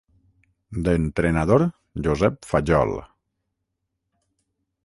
D'entrenador, Josep Fajol.